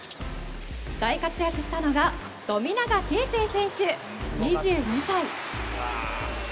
大活躍したのが富永啓生選手、２２歳。